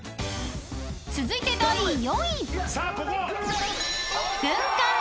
［続いて第４位］